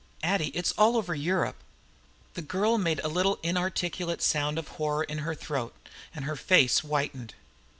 Addie, it's all over Europe." The girl made a little inarticulate sound of horror in her throat, and her face whitened.